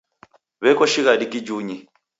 W'eko shighadi kijunyi.